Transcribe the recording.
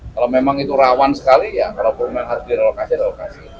kalau memang itu rawan sekali ya kalau perumahan harus direlokasi relokasi